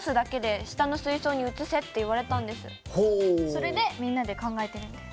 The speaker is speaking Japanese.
それでみんなで考えてるんです。